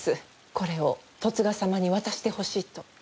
これを十津川様に渡してほしいと。